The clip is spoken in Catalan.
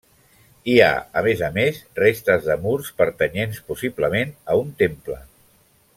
Hi ha, a més a més, restes de murs, pertanyents, possiblement, a un temple.